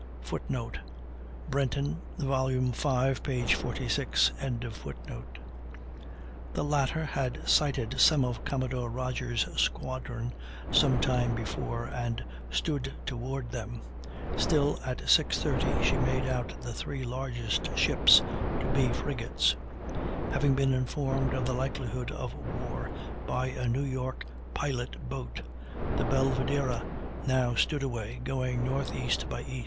[Footnote: Brenton, v. 46.] The latter had sighted some of Commodore Rodgers' squadron some time before, and stood toward them, till at 6.30 she made out the three largest ships to be frigates. Having been informed of the likelihood of war by a New York pilot boat, the Belvidera now stood away, going N. E. by E.